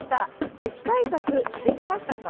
雪対策、してきましたか？